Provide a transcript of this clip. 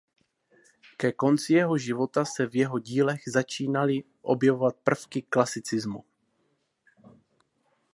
Ke konci jeho života se v jeho dílech začínaly objevovat prvky klasicismu.